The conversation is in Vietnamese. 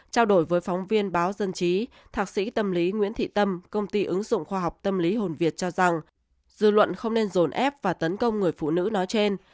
trao đổi với phóng viên báo dân chí thạc sĩ tâm lý nguyễn thị tâm công ty ứng dụng khoa học tâm lý hồn việt cho rằng dư luận không nên dồn ép và tấn công người phụ nữ nói trên